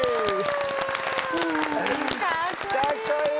かっこいい！